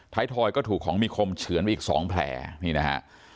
ไทยทอยก็ถูกของมีคมเฉือนอีกสองแผลนี่นะฮะ